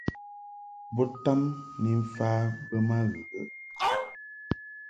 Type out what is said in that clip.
Bo tam ni mfa be ma ghəghəʼ.